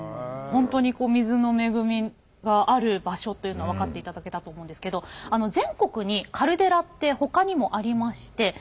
本当にこう水の恵みがある場所というのは分かっていただけたと思うんですけど全国にカルデラってほかにもありまして。